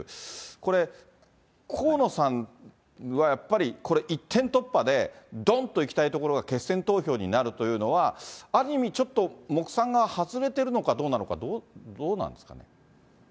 これ、河野さんはやっぱり、これ、一点突破でどんと行きたいところが決選投票になるというのは、ある意味、ちょっと目算が外れてるのかどうなのか、どうなんですかね。